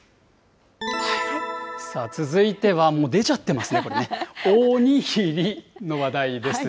さあ、続いては、もう出ちゃってますね、これね、おにぎりの話題です。